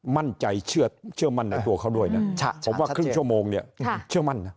มั่นใจเชื่อมั่นในตัวเขาด้วยนะผมว่าครึ่งชั่วโมงเนี่ยเชื่อมั่นนะ